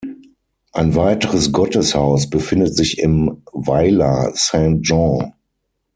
Ein weiteres Gotteshaus befindet sich im Weiler Saint-Jean.